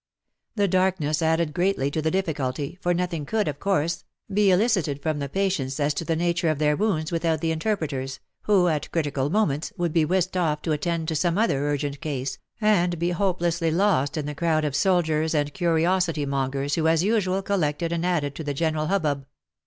The darkness added greatly to the difficulty, for nothing could, of course, be elicited from the patients as to the nature of their wounds without the interpreters, who, at critical moments, would be whisked off to attend to some other urgent case, and be hopelessly lost in the crowd of soldiers and curiosity mongers who as usual collected and added to the general hubbub.